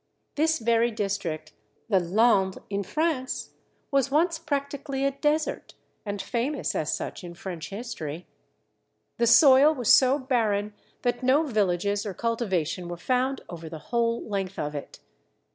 This very district, the Landes in France, was once practically a desert, and famous as such in French history. The soil was so barren that no villages or cultivation were found over the whole length of it.